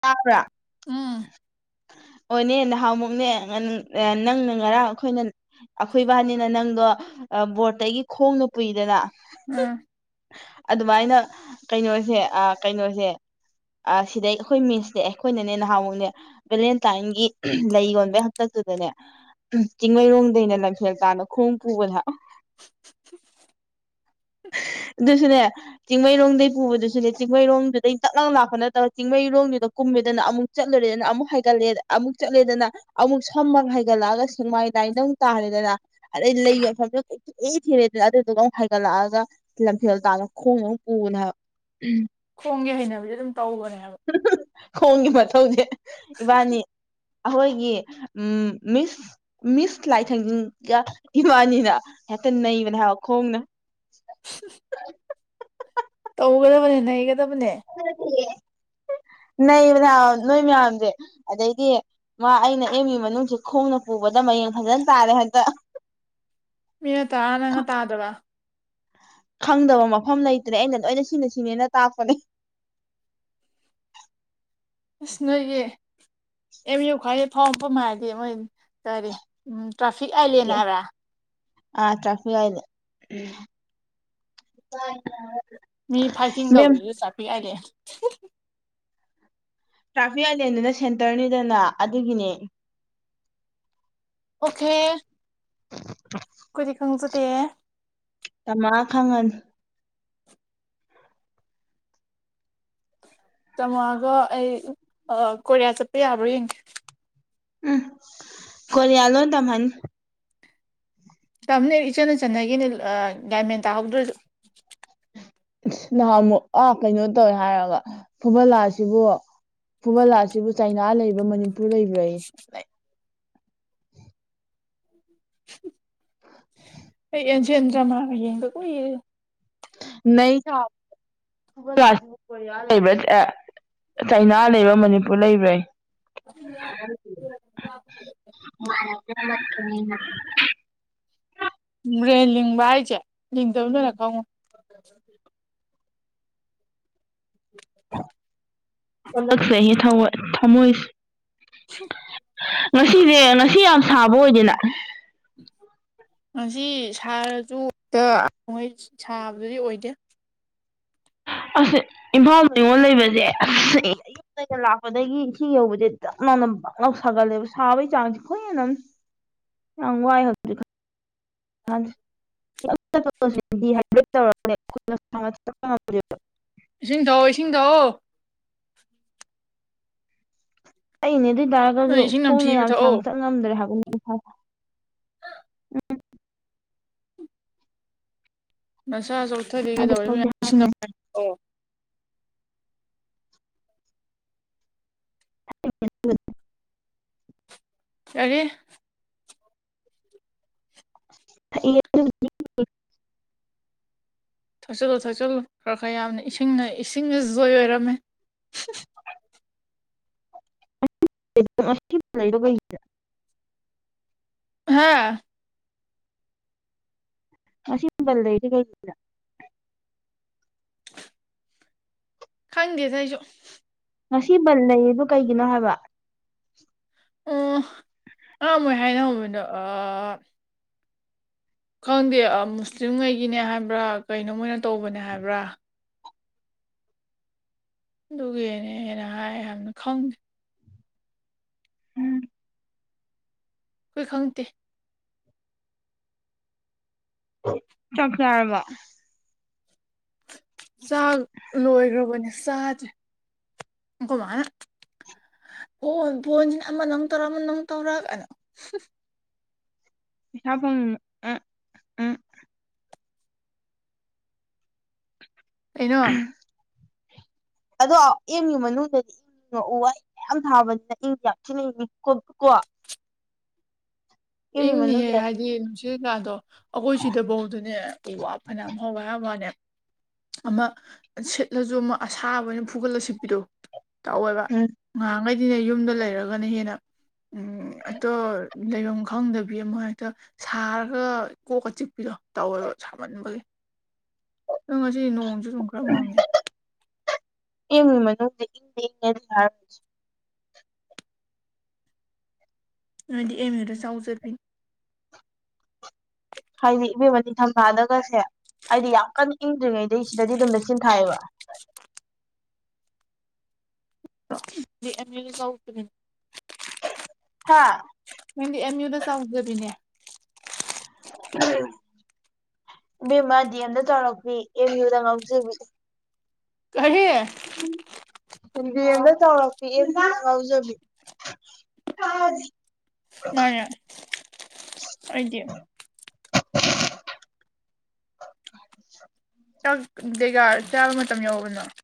ꯇꯥꯕ꯭ꯔꯥ ꯎꯝ [inaudible] ꯑꯣꯅꯦ ꯅꯍꯥꯟꯃꯨꯛꯅꯦ ꯅꯪꯅ ꯉꯔꯥꯡ ꯑꯩꯈꯣꯏꯅ ꯑꯩꯈꯣꯏꯕꯥꯅꯤꯅ ꯅꯪꯗꯣ ꯕꯣꯔꯠꯇꯒꯤ ꯈꯣꯡꯅ ꯀꯨꯏꯗꯅ ꯎꯝ ꯑꯗꯨꯃꯥꯏꯅ ꯀꯩꯅꯣꯁꯦ ꯀꯩꯅꯣꯁꯦ ꯑ ꯁꯤꯗꯩ ꯑꯩꯈꯣꯏ ꯃꯤꯟꯁꯅꯦ ꯑꯩꯈꯣꯏꯅꯅꯦ ꯅꯍꯥꯟꯨꯛ ꯚꯦꯂꯦꯟꯇꯥꯏꯟꯒꯤ ꯂꯩ ꯌꯣꯟꯕꯩ ꯍꯥꯛꯇꯛꯇꯨꯗꯅꯦ ꯆꯤꯡꯃꯩꯔꯣꯡꯝꯗꯩꯅ ꯂꯪꯁꯤꯦꯜꯂꯦ ꯇꯅ ꯈꯣꯡ ꯐꯕꯅ [inaudible] [unintelligible] ꯑꯗꯨꯁꯨꯅꯦ ꯆꯤꯡꯃꯩꯔꯣꯡꯗꯒꯤꯩ ꯄꯨꯕꯗꯨꯁꯨꯅꯦ ꯆꯤꯡꯃꯩꯔꯣꯡꯗꯨꯗꯩ ꯇꯞꯅ ꯂꯥꯛꯄ ꯅꯠꯇꯕ ꯆꯤꯡꯃꯩꯔꯣꯡꯗꯨꯗ ꯀꯨꯝꯃꯤꯗꯅ ꯑꯃꯨꯛ ꯆꯠꯂꯨꯔꯦꯗꯅ ꯑꯃꯨꯛ ꯍꯒꯠꯂꯦ ꯑꯃꯨꯛ ꯆꯠꯂꯦꯗꯅ ꯑꯃꯨꯛ ꯁꯝꯃꯛ ꯍ ꯍꯥꯏꯒꯠꯂꯛꯑꯒ ꯁꯦꯡꯃꯥꯏ ꯗꯥꯏꯅꯗꯧ ꯇꯥꯔꯦꯗꯅ ꯅ ꯑꯗꯩ ꯂꯩꯕ ꯃꯐꯝꯗꯨ ꯀꯊꯦ ꯊꯤꯔꯦꯗꯅ ꯑꯗꯨꯗꯨꯒ ꯑꯃꯨꯛ ꯍꯥꯏꯒꯠꯂꯛꯑꯒ ꯂꯝꯐꯦꯜ ꯇꯥꯅ ꯄ ꯄꯅ ꯈꯣꯡꯒꯤ ꯍꯩꯅꯕꯤꯁꯦ ꯑꯗꯨꯝ ꯇꯧꯕꯅꯦ ꯍꯥꯏꯕ ꯈꯣꯡꯒꯤ ꯃꯊꯧꯗꯤꯦ ꯏꯕꯥꯅꯤ ꯑꯩꯈꯣꯏꯒꯤ ꯎ ꯃꯤꯁ ꯃꯤꯁ ꯂꯥꯏꯊꯪꯖꯒ ꯏꯃꯥꯅꯤꯅ ꯇ ꯅ ꯃꯅꯈꯣꯡꯅ ꯎꯒꯗꯕꯅꯒ ꯍ ꯊꯦ ꯅꯕ ꯅꯣꯏ ꯃꯌꯥꯝꯁꯦ ꯑꯗꯩꯗꯤ ꯃꯥ ꯑꯩꯅ ꯑꯦꯝꯒꯤ ꯃꯅꯨꯡꯁꯦ ꯈꯣꯡꯅ ꯄꯨꯕꯗ ꯝ ꯃꯌꯦꯡ ꯐꯖꯅ ꯇꯥꯔꯦ ꯍꯦꯛꯇ ꯃꯤꯅ ꯇꯔꯥ ꯅꯪꯒ ꯇꯥꯗꯕ ꯈꯪꯗꯕ ꯃꯐꯝ ꯂꯩꯇ꯭ꯔꯦ ꯑꯩꯅ ꯂꯣꯏꯅ ꯁꯤꯅ ꯁꯤꯅꯦꯅ ꯇꯥꯛꯄꯅꯦ [inaudible] ꯁꯅꯌꯦ ꯑꯦꯝ ꯌ ꯈꯔꯦ ꯐ ꯐ ꯃꯥꯗꯤ ꯃꯣꯏ ꯀꯔꯤꯦ ꯎꯝ ꯇ꯭ꯔꯥꯐꯤꯛ ꯑꯥꯏꯂꯅ ꯍꯥꯏꯕꯦ ꯑ ꯇ꯭ꯔꯥꯐꯤꯛ ꯃꯤ ꯐꯥꯏꯇꯤꯡ ꯃꯦꯝ ꯇꯧꯔꯤꯁꯨ ꯆꯥꯛꯄꯤ ꯀꯥꯏꯅꯦ ꯇ꯭ꯔꯥꯐꯤꯛ ꯑꯥꯏꯂꯦꯟꯗꯨꯅ ꯁꯦꯟꯇꯔꯅꯤꯗꯅ ꯑꯗꯨꯒꯤꯅꯦ ꯑꯣꯀꯦ [inaudible] ꯀꯗꯤ ꯈꯪꯖꯗꯦ ꯇꯃ ꯈꯪꯉꯟ ꯇꯝꯃꯣꯒ ꯑꯩ ꯀꯣꯔꯤꯌꯥ ꯆꯠꯄ ꯌꯥꯕ꯭ꯔꯣ ꯌꯦꯡꯒꯦ ꯎꯝ ꯀꯌꯥꯂꯣ ꯇꯃꯅꯤ ꯇꯝꯅꯦ ꯏꯆꯟꯅ ꯆꯟꯅꯈꯤꯅꯦ ꯒꯥꯏꯃꯦꯟ ꯇꯥꯍꯧꯗ꯭ꯔꯁꯨ ꯅꯍꯥꯟ ꯑꯃꯨꯛ ꯑꯥ ꯀꯩꯅꯣ ꯇꯧꯋꯦ ꯍꯥꯏꯔꯒ ꯐꯨꯕꯂꯥꯁꯤꯕꯨ ꯐꯨꯕꯂꯥ ꯑꯁꯤꯕꯨ ꯆꯩꯅꯥ ꯂꯩꯕ꯭ꯔꯥ ꯃꯅꯤꯄꯨꯔ ꯂꯩꯕ꯭ꯔꯥ ꯑꯩ ꯑꯦꯖꯦꯟꯗ꯭ꯔꯃꯥ ꯍꯌꯦꯡꯕ ꯀꯏꯔꯦ ꯅ ꯊ ꯣ ꯂꯩ ꯆꯩꯅꯥ ꯂꯩꯕ꯭ꯔꯥ ꯃꯅꯤꯄꯨꯔ ꯂꯩꯕ꯭ꯔꯥ [inaudible] ꯎꯝ ꯕ꯭ꯔꯦꯟ ꯂꯤꯡꯕ ꯍꯥꯏꯁꯦ ꯂꯤꯡꯗꯕ ꯅꯅ ꯈꯪꯉꯨ ꯑꯂꯒꯁꯌꯦ ꯊꯃ ꯊꯃꯣꯏꯁ ꯉꯁꯤꯁꯦ ꯉꯁꯤ ꯌꯥꯝ ꯁꯥꯕ ꯑꯣꯏꯗꯦꯅ ꯉꯁꯤ ꯁꯥꯔꯁꯨꯣꯏ ꯁꯥꯕꯗꯨꯗꯤ ꯑꯣꯏꯗꯦ ꯑꯁ ꯏꯝꯐꯥꯜ ꯅꯤꯉꯣꯟꯜ ꯂꯩꯕꯁꯦ ꯑꯁ ꯩꯅ ꯂꯥꯛꯄꯗꯒꯤ ꯏꯁꯤꯡ ꯌꯧꯕꯁꯦ ꯗꯥꯛꯅꯥꯎꯅ ꯕꯥꯛꯅꯧ ꯁꯥꯒꯜꯂꯦꯕ ꯁꯥꯕꯒꯤ ꯆꯥꯡꯁꯤꯦ ꯈꯣꯏ ꯍꯦꯟꯅ ꯑꯃ ꯑ ꯋꯥꯏ ꯍꯧ [inaudible] ꯏꯁꯤꯡ ꯊꯥꯛꯑꯣ ꯏꯁꯤꯡ ꯊꯥꯛꯑꯣ ꯑꯩꯅꯦꯗꯤ ꯇꯥꯔꯒꯁꯨ ꯅꯣꯏ ꯏꯁꯤꯡ ꯈꯣꯡꯅ ꯅꯝꯊꯤꯕ ꯌꯥꯝ ꯊꯛꯑꯣ ꯁꯥꯡꯅ ꯆꯠ ꯉꯝꯗ꯭ꯔꯦ ꯍꯥꯏ ꯎ ꯅꯁꯥ ꯆꯣꯛꯊꯈꯤ ꯁꯥꯗ ꯐꯥꯎꯗꯤ ꯀꯩꯗꯧꯔꯤꯕꯌꯥꯝ [unintelligible] [unintelligible] [unintelligible] ꯑꯔꯤ [inaudible] [inaudible] [inaudible] ꯊꯛꯆꯜꯂꯨ ꯊꯛꯆꯜꯂꯨ ꯈꯔ ꯈꯔ ꯌꯥꯝꯅ ꯏꯁꯤꯡꯅ ꯏꯁꯤꯡꯅ ꯖꯣꯏ ꯑꯣꯏꯔꯝꯃꯦ [unintelligible] [unintelligible] ꯍꯥꯥ ꯉꯝꯕꯜꯗꯩꯗꯤ ꯀꯩꯗ ꯈꯪꯗꯦꯁ ꯑꯩꯁꯨ ꯉꯁꯤ ꯕꯟ ꯂꯩꯕ ꯀꯩꯒꯤꯅꯣ ꯍꯥꯏꯕ ꯎ ꯑ ꯃꯣꯏ ꯍꯥꯏꯅꯧꯕꯃꯤꯗꯣ ꯑ ꯈꯪꯗꯦ ꯃꯨꯁꯂꯤꯝꯉꯩꯒꯤꯅꯦ ꯍꯥꯏꯕ꯭ꯔꯥ ꯀꯩꯅꯣ ꯃꯣꯏꯅ ꯇꯧꯕꯅꯦ ꯍꯥꯏꯕ꯭ꯔꯥ ꯑꯗꯨꯒꯤꯅꯦ ꯍꯦꯟꯅ ꯍꯥꯏ ꯌꯥꯝꯅ ꯈꯪꯉꯦ ꯎꯝ ꯑꯩꯈꯣꯏ ꯈꯪꯗꯦ ꯆ ꯇꯔꯝꯕ ꯁꯥꯒ ꯂꯣꯏꯣꯏ꯭ꯔꯣꯕꯅꯤ ꯁꯥꯒ ꯀꯃꯅ ꯑꯣ ꯐꫭꯟꯖꯤꯅ ꯑꯃꯅꯃꯨꯛ ꯇꯧꯔꯛ ꯑꯃꯅꯃꯨꯛ ꯇꯧꯔꯛ ꯄꯩꯁꯥꯐꯪ ꯑ ꯑ ꯑꯩꯅꯣ [unintelligible] ꯑꯗꯣ ꯑꯦꯝꯒꯤ ꯃꯅꯨꯡꯗꯗꯤ ꯏꯪꯉꯤꯉꫭ ꯎꯨ ꯋꯥ ꯃꯌꯥꯝ ꯊꯥꯕꯅꯤꯅ ꯏꯪꯉꯤ ꯌꯥꯝꯊꯤꯅ ꯏꯪꯉꯤ ꯀꯣ ꯑꯦꯝꯒꯤ ꯏꯪꯅꯤꯍꯦ ꯃꯅꯨꯡꯁꯦ ꯍꯥꯏꯗꯤ ꯅꯨꯡꯁꯤꯠ ꯀꯩꯀꯥꯗꫭ ꯑꯩꯈꯣꯏ ꯁꯤꯗꯕꯧꯗꯅꯦ ꯎ ꯋꯥ ꯐꯅꯌꯥꯝ ꯍꯥꯎꯋꯦ ꯍꯥꯏꯕꯋꯅ‌ꯦ ꯑꯃꯛ ꯁꯤꯠꯂꯁꯨ ꯃꯥ ꯑꯁꯥꯕ ꯑꯣꯏꯅ ꯐꯨꯒꯠꯂ ꯁꯤꯠꯄꯤꯗꫭ ꯇꯧꯋꯦꯕ ꯎꯝ ꯉꯍꯥꯛ ꯃꯩꯗꯤ ꯌꯨꯝꯗ ꯂꯩꯔꯒꯅ ꯍꯦꯟꯅ ꯑꯝ ꯑꯇꯣ ꯂꯩꯕꯝ ꯈꯪꯗꯕꯤ ꯑꯃ ꯍꯦꯛꯇ ꯁꯥꯔꯒ ꯀꯣꯛꯀ ꯆꯤꯛꯄꯤꯗꯥ ꯇꯧꯋꯦꯕ ꯁꯥꯃꯟꯕꯒꯤ [inaudible] ꯅꫭꯏ ꯉꯁꯤ ꯅꯣꯡꯖꯨ ꯆꯨꯒ꯭ꫪꯥ ꯃꯪꯡꯉꯤꯅꯦ [unintelligible] ꯅꫭꯏꯗꯤ ꯑꯦꯝ ꯌꯨꯗ ꯆꯥꯎꯖꯕꯤꯅꯤ ꯍꯥꯏꯗꯤ ꯏꯕꯦꯝꯃ ꯅꯤꯡꯊꯝ ꯊꯥꯗꯒꯁꯦ ꯍꯥꯏꯗꯤ ꯌꯥꯝ ꯀꯟꯅ ꯏꯪꯗ꯭ꯔꯤꯉꯩꯗꯩ ꯁꯤꯗꯗꯤ ꯑꯗꯨꯝ ꯂꯩꯆꯤꯟ ꯊꯥꯏꯑꯕ ꯅꯪꯗꯤ ꯑꯦꯝ ꯌꯨꯗ ꯆꯥꯎꯖꯕꯤꯅ‌ꯦ ꯍꯥꯥ ꯅꯪꯗꯤ ꯑꯦꯝ ꯌꯨꯗ ꯆꯥꯎꯖꯕꯤꯅꯦ ꯑꯍꯝ ꯏꯕ‌ꯦꯝꯃ ꯗꯤꯑ‌ꯦꯝꯗ ꯆꯥꯎꫪꯛꯄꯤ ꯑꯦꯝ ꯌꯨꯗ ꯉꯥꯎꯖꯕꯤ ꯀꯔꯤ ꯗꯤꯑ‌‌ꯦꯝꯗ ꯆꯥꯎꯔꯛꯄꯤ ꯑ‌ꯦꯝ ꯌꯨꯗ ꯉꯥꯎꯖꯕꯤ ꯃꯥꯅꯦ ꯑꯩꯗꯤ [unintelligible] ꯆꯛ ꯗꯦꯒ ꯆꯥꯕ ꯃꯇꯝ ꯌꯥꯎꫪꯕꫭ ꯅꫭꯏ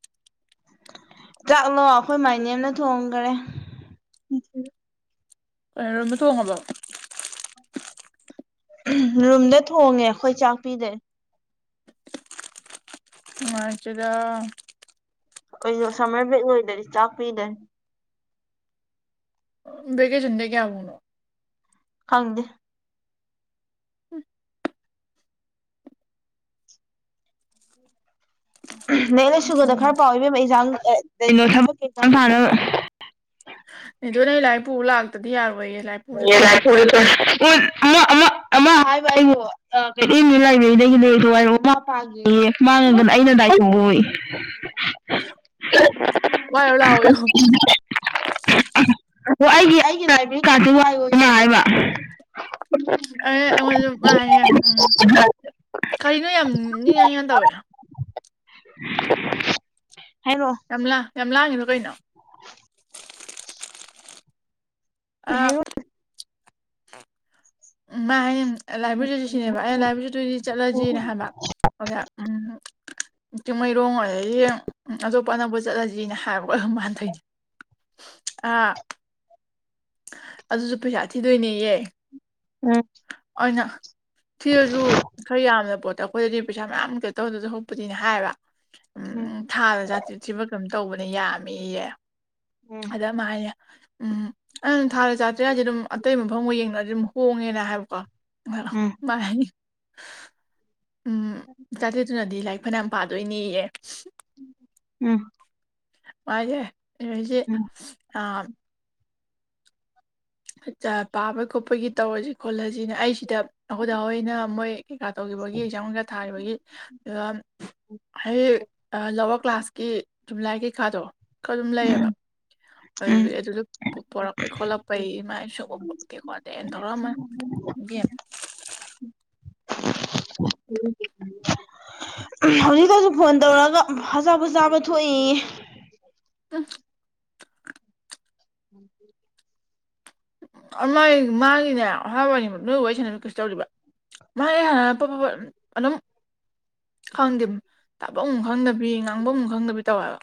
ꯆꯥꯛꯂꯣ ꯑꯩꯈꯣꯏ ꯃꯥꯏ ꯅꯦꯝꯅ ꯊꯣꯡꯈꯔꯦ ꯔꯨꯝꯗ ꯊꫭꯡ ꯉꯕꫭ ꯔꯨꯝꯗ ꯊꯣꯡꯉꯦ ꯑꯩꯈꯣꯏ ꯆꯥꯛꯄꯤꯗꯦ ꯅꯨꯡꯉꯥꯏꯇ‌ꯦꯗ ꯑꯩꯈꫭꯏꯖꯨ ꯁꯝꯃꯔ ꯕꯦꯛ ꯑꯣꯏꯗꯗꯤ ꯆꯥꯛ ꯄꯤꯗ‌ꯦ ꯕ‌ꯦꯀ‌ꯦꯁꯟꯗꯤ ꯀꯌꯥꯕꯧꯅꫭ ꯈꯪꯗꯦ [unintelligible] ꯂꯥꯏꯔꯤꯛ ꯂꯥꯏꯁꯨꯒꯥꯗꫭ ꯈꯔ ꯄꯥꯎ ꯏꯕꯝꯃ ꯑꯦꯛꯖꯥꯡ ꯀꯩꯅꯣ ꯊꯕꯛꯀꯤ ꯑ‌ꯦꯛꯖꯥꯝ ꯌꯥꯅꯕ ꯏꯗꯣꯅ ꯑꯩ ꯂꯥꯏꫪꯤꯛ ꯄꯨꯂꯛꯇ꯭ꫪꯥꯗꯤ ꯌꯥꯕꫭꯌ‌ꯦ [unintelligible] ꯑꯃ ꯑꯃ ꯑꯃ ꯍꯥꯏꯕꯥꯏꯕꯨ ꯑ ꯀꯩꯗꯣꯅꯤ ꯂꯥꯏꯕ꯭ꯔꯦꯔꯤꯗꯒꯤ ꯂꯩꯁꯨ ꯃꯃꯥ ꯃꯄꯥꯒꯤ ꯃꯥꯡꯉꯒꯅ ꯑꯩꯅ ꯗꯥꯏꯇ ꯑꫭꯏ ꯋꯥꯏꯔꯨ ꯂꯥꯛꯑꫭꯌꯨ ꯍꫭ ꯑꯩꯒꯤ ꯑꯩꯒꯤ ꯂꯥꯏꯕꯤꯔꯤ ꯀꯥꯁ‌ꯦ ꯋꯥꯋꫭꯌ‌ꯦ ꯃꯥ ꯍꯥꯏꯕ ꯑꯅ‌ꯦ ꯑꯩꯉꫭꯟꯗꯁꯨ ꯃꯥ ꯍꯥꯏꯅ‌ꯦ ꯀꯔꯤꯅꯣ ꯌꯥꯝ ꯅ‌ꯦꯅ ꯅ‌ꯦꯅ ꯇꯧꯋꯦ [unintelligible] ꯌꯥꯝ ꯂꯥ ꯌꯥꯝ ꯂꯥꯡꯉꯤꯗꫭ ꯀꯩꯅꯣ ꯑ ꯍꯥꯏꯔꯛꯑꯣ ꯃꯥ ꯍꯥꯏꯅꯤ ꯂꯥꯏꯕ꯭ꯔꯦꯔꯤ ꯁꯤꯅꯦꯕ ꯑꯩꯅ ꯂꯥꯏꯕ꯭ꯔꯦꯔꯤꯗ ꯆꯠꯇꫭꯏꯗꯤ ꯆꯠꯂꯖꯤ ꯎꯝ ꯍꯥꯏꯕ ꯑꯗꯨꯗ [inaudible] ꯆꯤꯡꯃꯩꯔꯣꯡ ꯑꫭꫪꯗꯤ ꯑꯇꯣꯞꯄ ꯑꯅꯛꯄ ꯆꯠꯂꯖꯤꯅ ꯍꯥꯏꯕꯒꯀꫭ ꯃꯥꯟꯅꯇꯧꯅꯦ ꯑꯥ ꯑꯗꯨꯁꯨ ꯄꯩꯁꯥ ꯊꯤꯗꯣꯏꯅꯦꯌꯦ ꯎꯝ ꯑꯣꯏꯅ ꯁꯤꯔꯁꯨ ꯈꯔ ꯌꯥꯝꯅ ꯄꯣꯠꯇ ꯑꯩꯈꯣꯏꯗꯗꯤ ꯄꯩꯁꯥ ꯃꯌꯥꯝꯛꯇ ꯇꯧꯗꯁꯨ ꯍꯧꯛꯄꯗꯤꯅꯦ ꯍꯥꯏꯌꯦꯕ ꯎꯝ ꯊꯥꯗ ꯖꯥꯇꯤ ꯊꯤꯕ ꯑꯗꯨꯝ ꯇꯧꯕꯅꯦ ꯌꯥꯝꯃꯤꯌꯦꯦ ꯑꯗ ꯑꯃ ꯍꯥꯏꯅꯦ ꯎꯝ ꯑ ꯊꯥꯗ ꯆꯥꯇ꯭ꯔꯦꯁꯦ ꯑꯗꯨꯝ ꯑꯇꯇꯩꯕ ꯃꯪꯒ ꯌꯦꯡꯅꯗꯤ ꯑꯗꯨꯝ ꯍꯣꯡꯉꯦꯅ ꯎꯝ ꯍꯥꯏꯕꯀꯣꯅꯤ ꯎꯝ ꯆꯥꯖꯦꯠꯇꯨꯅꯗꯤ ꯂꯥꯏꯔꯤꯛ ꯐꯅꯌꯥꯝ ꯄꯥꯗꯣꯏꯅꯤꯌꯦ ꯎꯝ ꯃꯥꯦ ꯎꯝ ꯑ ꯄꯥꯕ ꯈꯣꯠꯄꯒꯤ ꯇꯧꯔꯁꯤ ꯈꯣꯠꯂꯁꯤꯅꯦ ꯑꯩꯁꯤ ꯗ ꯑꯩꯈꯣꯏꯗ ꯍꯍꯣꯏꯅ ꯃꯣꯏ ꯀꯩꯀꯥ ꯇꯧꯈꯤꯕꯒꯤ ꯑꯦꯛꯖꯥꯝ ꯈꯔ ꯊꯥꯔꯤꯕꯒꯤ ꯑꯗꯨꯒ ꯑꯩ ꯂꯋꯥꯔ ꯀ꯭ꯂꯥꯁꯀꯤ ꯌꯨꯝꯂꯥꯏꯒꯤ ꯄꯩꯈꯥꯗꯣ ꯈꯔ ꯑꯗꯨꯝ ꯂꯩꯌꯦꯕ ꯎꯝ ꯑꯗꯨ ꯑꯗꯨꯗ ꯄꯣꯔꯛꯄꯩ ꯈꯣꯠꯂꯛꯄ ꯄꯩ ꯃꯥꯏ ꯁꯣꯛꯎꯄꯂꯀꯦꯀꯣ ꯑꯗ ꯑꯩꯅ ꯊꯧꯔꯛꯝꯃ ꯌꯦꯦꯝ [inaudible] ꯍꯧꯖꯤꯛꯇꯛꯇꯁꯨꯛ ꯐꯣꯟ ꯇꯧꯔꯒ ꯑꯆꯥꯄ ꯆꯥꯕ ꯊꯣꯛꯏ ꯑ ꯎꯝ ꯃꯥꯡꯉꯤꯅꯦ ꯑꯍꯥꯕꯅꯤ ꯅꯣꯏ ꯋꯥꯔꯤ ꯁ ꯀꯩꯁꯨ ꯇꯧꯔꯤꯕ ꯃꯥ ꯍꯥꯟ ꯑꯗꯨꯝ ꯈꯪꯗꯦ ꯇꯥꯕ ꯑ ꯈꯪꯗꯕꯤ ꯉꯥꯡꯕ ꯑꯨ ꯈꯪꯗꯕꯤ ꯇꯧꯋꯦꯕ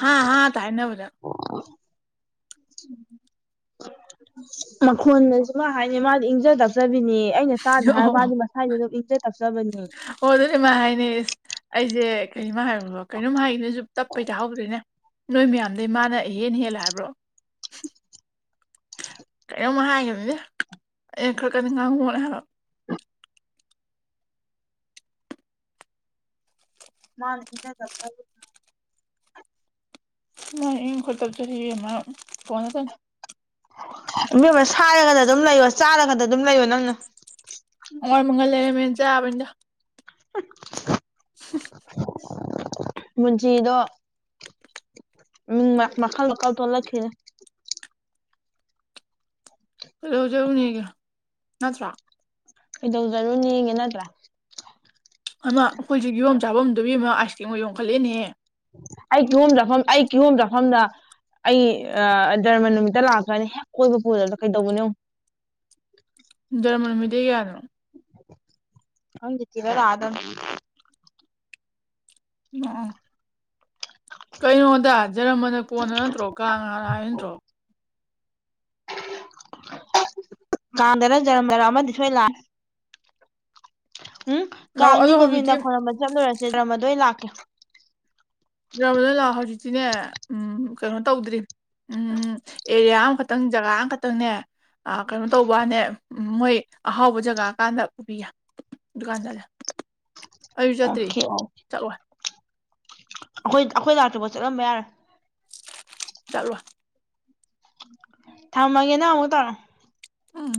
ꯍꯥꯥ ꯍꯥꯥ ꯇꯥꯏ ꯅꯕ [unintelligible] ꯃꯈꯣꯟꯗꯁꯨ ꯃꯥ ꯍꯥꯏꯅꯤ ꯃꯥꯗꯤ ꯏꯪꯖ ꯇꯞꯆꯕꯤꯅꯤ ꯑꯩꯅ ꯆꯥꯗꯦ ꯍꯥꯏꯔ ꯑꯣ ꯃꯥꯗꯤ ꯃꯁꯥꯏꯁ ꯑꯗꯨꯝ ꯏꯪꯖ ꯇꯛꯆꯕꯅꯦ ꯁꯤꯃ ꯍꯥꯏꯅꯦ ꯑꯩꯁꯦ ꯀꯩꯅꯃ ꯍꯥꯏꯣ ꯀꯩꯅꯣꯝ ꯍꯥꯏ ꯅꯁꯨ ꯇꯞꯄꯩ ꯇꯥꯍꯧꯗꯣꯏꯅꯦ ꯅꯣꯏ ꯃꯌꯥꯝꯗꯒꯤꯩ ꯃꯥꯅꯍꯦꯟ ꯍꯦꯜꯂ ꯍꯥꯏꯕ꯭ꯔꯣ ꯀꯩꯅꯣꯝ ꯍꯥꯏꯒꯅꯤꯅꯦ ꯑꯩꯅ ꯈꯔ ꯈꯗꯤ ꯉꯥꯡꯉꯨꯅꯦ ꯍꯥꯏꯕ ꯃꯥꯅ ꯍꯅ ꯆ ꯅ ꯈꯇꯔ ꯆ ꯀꯣꯅ ꯏꯦꯝ ꯑꯃ ꯁꯥꯔꯒꯗ ꯑꯗꯨꯝ ꯂꯩꯌꯣ ꯆꯥꯔꯒꯗ ꯑꯗꯨꯝ ꯂꯩꯌꯣ ꯅꯪꯅ ꯍ ꯃꯒꯜ ꯂꯩꯔ ꯃꯦꯟ ꯆꯕꯅꯤꯗ ꯑ [inaudible] ꯃꯆꯗꯣ ꯎꯝ ꯃꯈꯥ ꯂ ꯀꯥꯎ ꯇꯧꯂ ꯈꯈꯤ ꯂꯧꯖꯔꯨꯅꯦꯒ ꯅꯠꯇ꯭ꯔꯥ ꯏꯣꯖꯔꯅꯤ ꯌꯦꯒꯦ ꯅꯠꯇ꯭ꯔ ꯉ ꯌꯡꯈꯠꯂꯦꯅꯦ ꯑꯩ ꯀꯤꯍꯣꯝ ꯆꯥꯛꯐꯝ ꯑꯩ ꯀꯤꯍꯣꯝ ꯆꯥꯐꯝꯅ ꯑꯩ ꯗꯙꯔꯃ ꯅꯨꯃꯤꯠꯇ ꯂꯥꯛꯈ꯭ꯔꯅꯤ ꯍꯦꯛ ꯀꯣꯏꯕ ꯄꯨꯗꯕꯗ ꯀꯩꯗꯧꯕꯅꯦꯣ ꯖꯔꯃꯟ ꯅꯨꯃꯤꯠꯇꯩ ꯀꯌꯥꯗꯅꯣ ꯍꯪꯤꯇꯤꯔꯗ ꯑꯗ ꯌꯥ ꯀꯩꯅꯣꯗ ꯖꯔꯃꯅ ꯀꯣꯟꯅ ꯅꯠꯇ꯭ꯔꯣ ꯀ ꯉꯥꯅ ꯍꯥꯏ ꯅꯟꯠꯇ꯭ꯔꯣ ꯑ ꯀꯥꯟꯗꯔ ꯖꯔꯝꯗꯔ ꯑꯃꯗꯤ ꯁꯣꯏ ꯂꯥꯛꯑꯦ ꯎꯝ ꯀꯥꯡꯗꯤ ꯑꯗꯣ ꯒꯣꯕꯤꯟꯗ ꯍꯧꯖꯤꯛꯇꯤ ꯈꯣꯏꯔꯝꯕ ꯆꯠꯂꯨꯔꯁꯤꯦ ꯗ꯭ꯔꯃꯗꯣꯏ ꯂꯥꯛꯀꯦ ꯗ꯭ꯔꯕꯗ ꯂꯥꯛꯑꯣ ꯍꯧꯖꯤꯛꯇꯤꯅꯦ ꯎꯝ ꯀꯩꯅꯣ ꯇꯧꯗ꯭ꯔꯤ ꯎꯝ ꯎꯝ ꯑꯦꯔꯤꯌꯥ ꯑꯃꯈꯛꯇꯪ ꯖꯒꯥ ꯑꯃꯈꯛꯇꯪꯅꯦ ꯑꯥ ꯀꯩꯅꯣ ꯇꯧꯕꯋꯥꯅꯦ ꯎꯝ ꯃꯣꯏ ꯑꯍꯥꯎꯕ ꯖꯒꯥ ꯀꯥꯟꯗ ꯄꯨꯕꯤ ꯗꯨꯀꯥꯟꯗꯥꯏꯗ ꯑꯩꯁꯨ ꯆꯠꯇ꯭ꯔꯤ ꯑꯣꯀꯦ ꯑꯣ ꯆꯠꯂꫭꯏ ꯑꯩꯈꯣꯏ ꯑꯩꯈꯣꯏ ꯂꯥꯛꯇ‌꯭ꯔꯤ ꯐꯥꯎ ꯆꯠꯂꯝꯕ ꯌꯥꯔꫭꯏ ꯆꯠꯂꫭꯏ ꯊꯥꯝꯃꯒꯦ ꯅ ꯑꯃꯨꯛ ꯇꯧꯔꯛꯑꫭ ꯎꯝ